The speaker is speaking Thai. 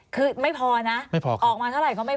คือไม่พอนะออกมาเท่าไหร่ก็ไม่พอ